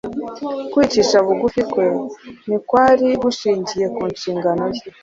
Kwicisha bugufi kwe ntikwari gushingiye ku nshingano ye